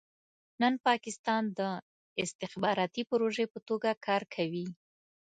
نن پاکستان د استخباراتي پروژې په توګه کار کوي.